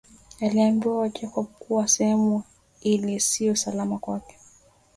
Alimwambia Jacob kuwa sehemu ile sio salama kwake